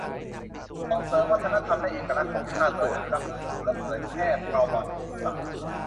ส่งเสริมวัฒนธรรมและเอกลักษณ์ของชาติ โดยอนุรักษ์ ฟื้นฟู และเผยแพร่ประวัติศาสตร์